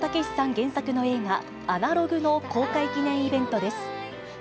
原作の映画、アナログの公開記念イベントです。